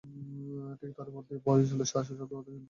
ঠিক তার ওপর দিয়ে বয়ে চলে শাঁ শাঁ শব্দে বাতাসের এলোমেলো পথচলা।